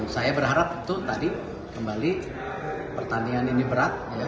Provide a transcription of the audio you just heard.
saya berharap itu tadi kembali pertandingan ini berat